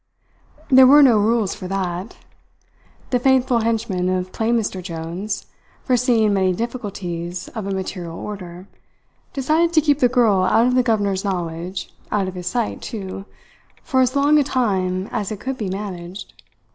There were no rules for that. The faithful henchman of plain Mr. Jones, foreseeing many difficulties of a material order, decided to keep the girl out of the governor's knowledge, out of his sight, too, for as long a time as it could be managed.